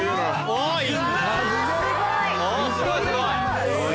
おぉすごいすごい。